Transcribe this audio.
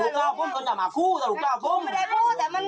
หน้าค่ะเพื่อน